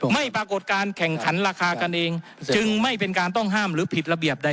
ปรากฏการแข่งขันราคากันเองจึงไม่เป็นการต้องห้ามหรือผิดระเบียบใด